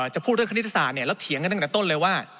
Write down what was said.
จะพูดเรื่องคณิตศาสตร์แล้วเถียงกันตั้งแต่ต้นเลยว่า